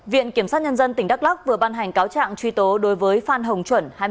viện kiểm sát nhân dân tỉnh đắk lắc vừa ban hành cáo trạng truy tố đối với phan hồng chuẩn